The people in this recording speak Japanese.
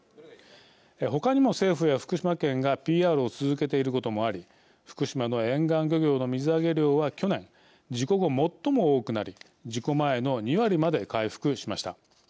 他にも政府や福島県がＰＲを続けていることもあり福島の沿岸漁業の水揚げ量は去年、事故後、最も多くなり事故前の２割まで回復しました。